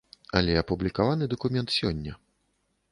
Але апублікаваны дакумент сёння.